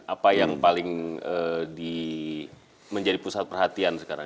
apa yang paling menjadi pusat perhatian sekarang